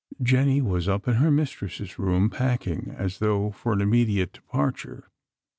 Jenny was up in her mistress' room packing as though for an immediate departure.